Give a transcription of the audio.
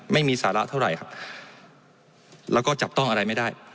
ไม่มีสาระเท่าไหร่ครับแล้วก็จับต้องอะไรไม่ได้